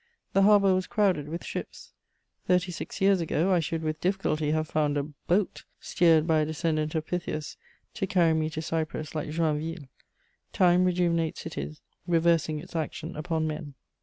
The harbour was crowded with ships; thirty six years ago I should with difficulty have found a "boat," steered by a descendant of Pytheas, to carry me to Cyprus like Joinville: time rejuvenates cities, reversing its action upon men.